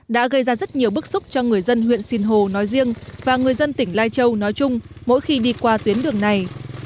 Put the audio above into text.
đã gây ra rất nhiều bức xúc cho người dân huyện sinh hồ nói riêng và người dân tỉnh lai châu nói chung mỗi khi đi qua tuyến đường này